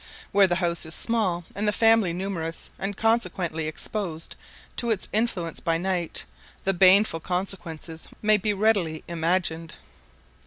Where the house is small, and the family numerous, and consequently exposed to its influence by night, the baneful consequences may be readily imagined.